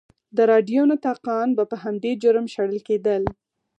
د راډیو نطاقان به په همدې جرم شړل کېدل.